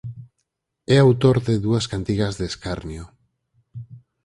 É autor de dúas cantigas de escarnio.